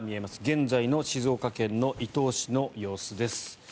現在の静岡県伊東市の様子です。